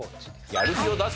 やる気を出せ！